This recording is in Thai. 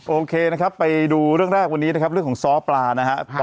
โอเคนะครับไปดูเรื่องแรกวันนี้นะครับเรื่องของซ้อปลานะครับ